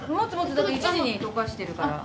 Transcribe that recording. だって、１時に溶かしてるから。